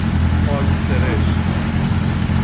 پاک سرشت